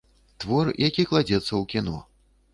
Твор, які кладзецца ў кіно.